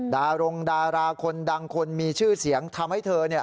ดารงดาราคนดังคนมีชื่อเสียงทำให้เธอเนี่ย